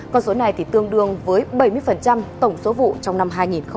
con số này thì tương đương với bảy mươi tổng số vụ trong năm hai nghìn một mươi chín